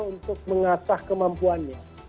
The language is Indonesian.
untuk mengasah kemampuannya